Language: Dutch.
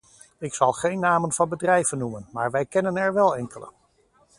Ik zal geen namen van bedrijven noemen, maar wij kennen er wel enkele.